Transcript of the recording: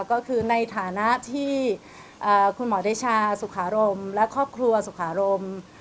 ก็คือในฐานะที่คุณหมอเดชาสุขารมและครอบครัวสุขารม